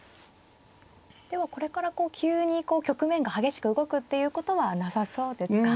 ではこれから急にこう局面が激しく動くっていうことはなさそうですか。